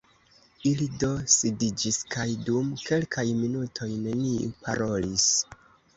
Ili do sidiĝis, kaj dum kelkaj minutoj neniu_ parolis.